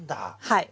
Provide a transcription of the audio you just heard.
はい。